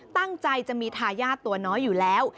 ตั้งใจจะมีทายาทตัวน้อยอยู่แล้ว